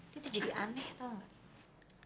dia tuh jadi aneh tau nggak